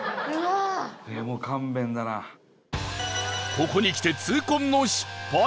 ここにきて、痛恨の失敗